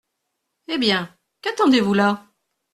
Eh bien, qu’attendez-vous là ?